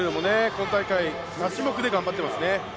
今大会、他種目で頑張ってますね。